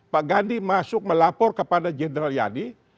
pak gandhi masuk melapor kepada jenderal yadi